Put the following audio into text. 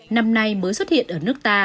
năm nay mới xuất hiện